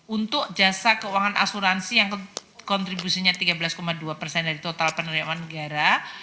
untuk jasa keuangan asuransi yang kontribusinya tiga belas dua persen dari total penerimaan negara